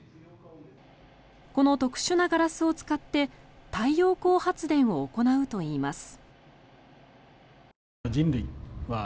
この特殊なガラスを使って太陽光発電を行うといいます。